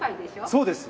そうです。